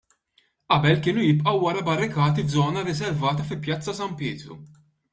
Qabel, kienu jibqgħu wara barrikati f'żona riservata fi Pjazza San Pietru.